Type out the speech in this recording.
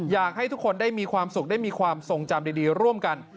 อยากให้ทุกคนได้มีความสุขได้มีความทรงจำดีร่วมกัน